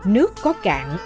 nước có cạn bông súng rồi đi